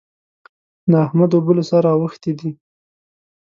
د احمد اوبه له سره اوښتې دي.